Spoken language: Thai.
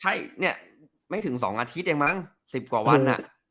ใช่เนี่ยไม่ถึง๒อาทิตย์เองมั้ง๑๐กว่าวัน